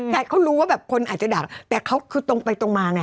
แต่เขารู้ว่าแบบคนอาจจะดักแต่เขาคือตรงไปตรงมาไง